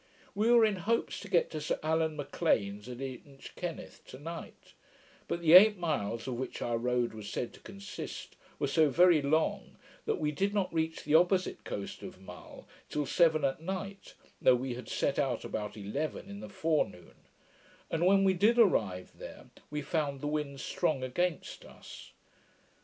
We were in hopes to get to Sir Allan Maclean's at Inchkenneth, to night; but the eight miles, of which our road was said to consist, were so very long, that we did not reach the opposite coast of Mull till seven at night, though we had set out about eleven in the forenoon; and when we did arrive there, we found the wind strong against us.